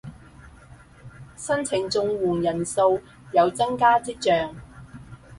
申領綜援人數有增加跡象